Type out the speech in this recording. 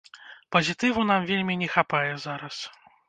Пазітыву нам вельмі не хапае зараз!